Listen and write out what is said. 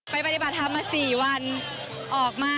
ปฏิบัติธรรมมา๔วันออกมา